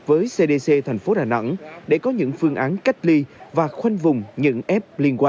với cdc thành phố đà nẵng để có những phương án cách ly và khoanh vùng những f liên quan